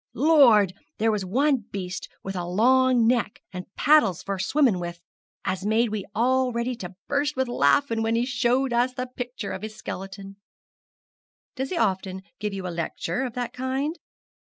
Lord! there was one beast with a long neck, and paddles for swimmin' with, as made we all ready to bust with laughin' when him showed us the pictur' of his skeleton.' 'Does he often give you a lecture of that kind?'